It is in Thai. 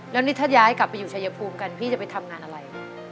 แล้วนี่ถ้าย้ายกลับไปอยู่ชายภูมิกันพี่จะไปทำงานอะไร